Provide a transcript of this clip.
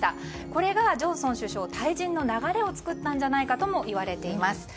これがジョンソン首相退陣の流れを作ったんじゃないかともいわれています。